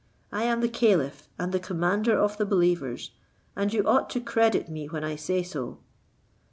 I am the caliph and the commander of the believers; and you ought to credit me when I say so."